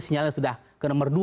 sinyalnya sudah ke nomor dua